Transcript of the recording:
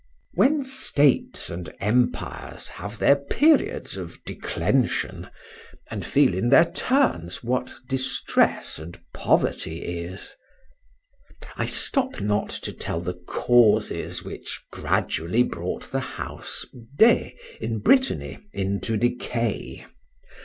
WHEN states and empires have their periods of declension, and feel in their turns what distress and poverty is,—I stop not to tell the causes which gradually brought the house d'E—, in Brittany, into decay.